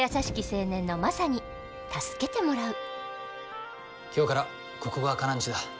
青年のマサに助けてもらう今日からここがカナんちだ。